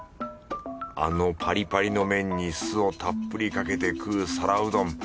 あのパリパリの麺に酢をたっぷりかけて食う皿うどん。